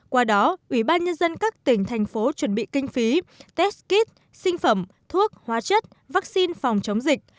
qua đó ủy ban nhân dân các tỉnh thành phố chuẩn bị kinh phí test kit sinh phẩm thuốc hóa chất vaccine phòng chống dịch